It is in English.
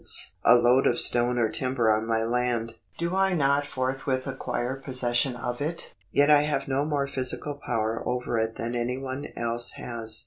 260 POSSESSION f§ 104 a load of stone or timber on my land, do I not forthwith acquire possession of it ? Yet I have no more physical power over it than any one else has.